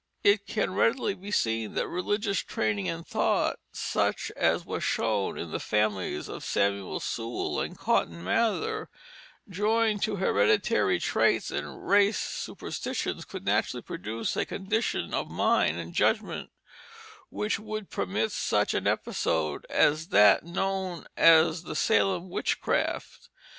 It can readily be seen that religious training and thought, such as was shown in the families of Samuel Sewall and Cotton Mather, joined to hereditary traits and race superstitions, could naturally produce a condition of mind and judgment which would permit such an episode as that known as the Salem Witchcraft.